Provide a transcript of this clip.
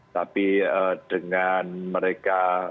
tapi dengan mereka